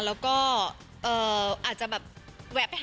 ส่องกานจะอยู่บ้านค่ะ